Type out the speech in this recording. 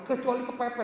kecuali ke pp